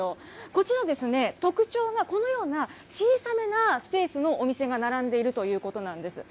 こちら、特徴がこのような小さめなスペースのお店が並んでいるということなんです。